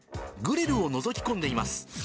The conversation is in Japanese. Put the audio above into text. グリルをのぞき込んでいます。